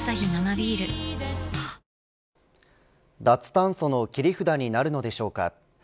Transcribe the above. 脱炭素の切り札になるのでしょうか。